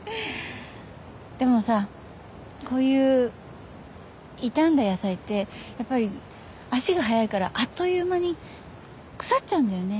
でもさこういう傷んだ野菜ってやっぱり足が早いからあっという間に腐っちゃうんだよね。